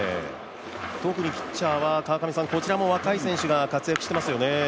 特にピッチャーは若い選手が活躍してますよね。